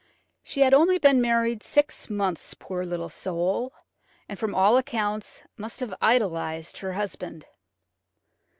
She had only been married six months, poor little soul, and from all accounts must have idolised her husband.